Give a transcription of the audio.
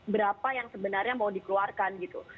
berapa yang sebenarnya mau dikeluarkan gitu